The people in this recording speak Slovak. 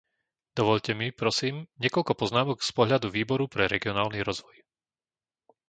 Dovoľte mi, prosím, niekoľko poznámok z pohľadu Výboru pre regionálny rozvoj.